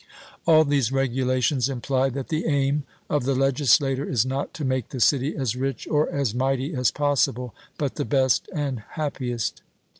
All these regulations imply that the aim of the legislator is not to make the city as rich or as mighty as possible, but the best and happiest.